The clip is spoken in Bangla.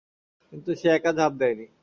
কিন্তু সে একা ঝাঁপ দেয়নি।